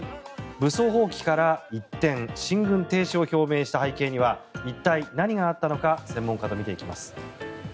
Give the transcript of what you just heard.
武装蜂起から一転進軍停止を表明した背景には一体、何があったか専門家と見ていきます。